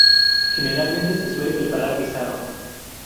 Generalmente se suele preparar guisado.